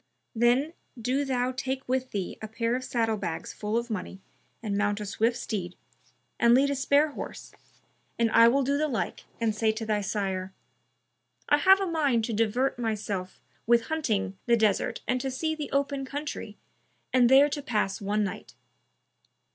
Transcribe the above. Then do thou take with thee a pair of saddle bags full of money and mount a swift steed, and lead a spare horse, and I will do the like, and say to thy sire, 'I have a mind to divert myself with hunting the desert and to see the open country and there to pass one night.'